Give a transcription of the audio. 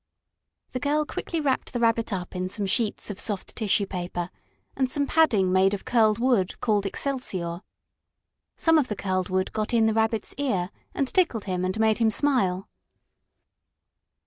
The girl quickly wrapped the Rabbit up in some sheets of soft tissue paper, and some padding made of curled wood, called excelsior. Some of the curled wood got in the Rabbit's ear and tickled him and made him smile.